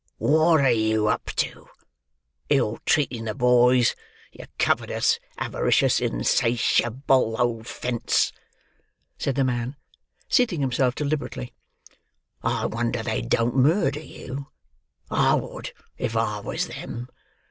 "What are you up to? Ill treating the boys, you covetous, avaricious, in sa ti a ble old fence?" said the man, seating himself deliberately. "I wonder they don't murder you! I would if I was them.